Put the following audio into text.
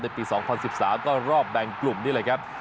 ปี๒๐๑๓ก็รอบแบ่งกลุ่มนี่แหละครับ